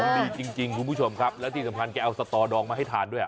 ดีจริงคุณผู้ชมครับและที่สำคัญแกเอาสตอดองมาให้ทานด้วย